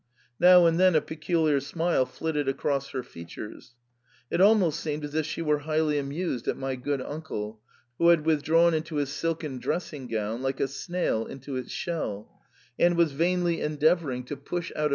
Now and then a peculiar smile flitted across her features ; it almost seemed as if she were highly amused at my good uncle, who had withdrawn into his silken dressing gown like a snail into its shell, and was vainly endeavouring to push out THE FERMATA.